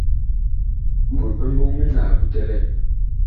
Ɓot bi mbɔŋ minaa bu bi tɛlɛɛ.